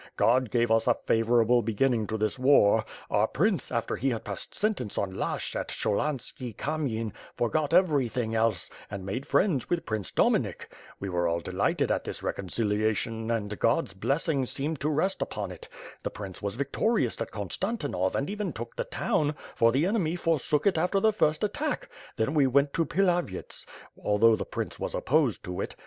God gave us a favorable beginning to this war. Our prince, after he had passed sentence on Lashch at Cholhanski Kamyen, forgot everything else, and made friends with Prince Domi nik. We were all delighted at this reconciliation and God's blessing seemed to reet upon it. The prince was victorious at Konfitantinov and, even took the town, for the enemy for sook it after the first attack; then we went to Pilavyets, although the prince was opposed to it.